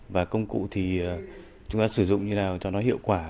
và công cụ thì chúng ta sử dụng như nào cho nó hiệu quả